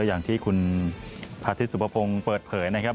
อย่างที่คุณพาทิตยสุภพงศ์เปิดเผยนะครับ